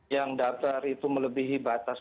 yang daftar itu melebihi batas